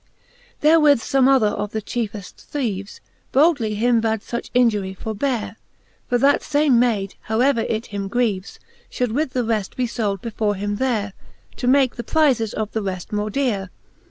Therewith fome other of the chiefeft theeves Boldly him bad fuch injurie forbeare; For that fame Mayd, how ever it him greeves, Should with the reft be fold before him theare, To make the prifes of the reft more deare.